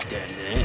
え？